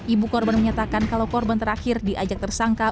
ibu korban menyatakan kalau korban terakhir diajak tersangka